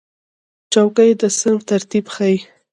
چوکۍ د صنف ترتیب ښیي.